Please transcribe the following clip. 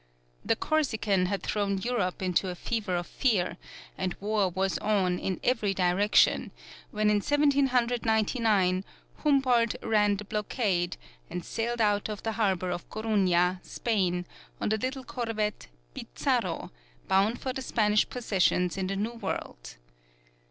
The Corsican had thrown Europe into a fever of fear, and war was on in every direction, when in Seventeen Hundred Ninety nine Humboldt ran the blockade and sailed out of the harbor of Coruna, Spain, on the little corvette "Pizarro," bound for the Spanish possessions in the New World.